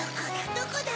どこだ？